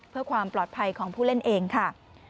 เพื่อความปลอดภัยของผู้เล่นเองค่ะ